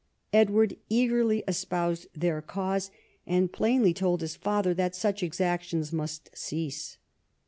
Edward eagerly espoused their cause, and plainly told his father that such exactions must cease.